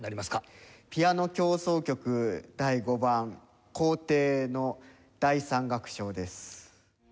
ピアノ協奏曲第５番『皇帝』の第３楽章です。